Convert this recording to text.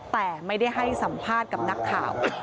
แต่ไม่ได้ให้สัมภาษณ์กับนักข่าว